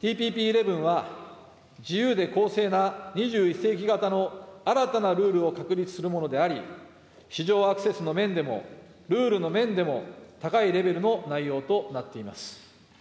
ＴＰＰ１１は、自由で公正な２１世紀型の新たなルールを確立するものであり、市場アクセスの面でもルールの面でも、高いレベルの内容となっています。